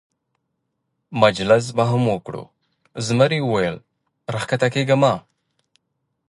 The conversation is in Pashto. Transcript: مجلس به هم سره وکړو، زمري وویل: را کښته کېږه مه.